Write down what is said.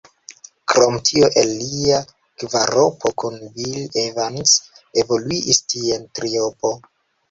Krom tio el lia kvaropo kun Bill Evans evoluis ties triopo.